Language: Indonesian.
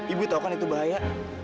ibu tahu kan itu bahaya